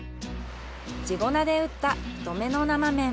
地粉で打った太めの生麺。